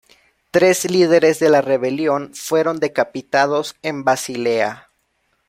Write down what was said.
Tres líderes de la rebelión fueron decapitados en Basilea.